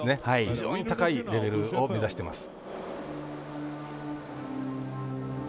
非常に高いレベルを目指してます。